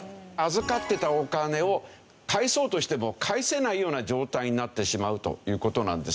預かってたお金を返そうとしても返せないような状態になってしまうという事なんですよ。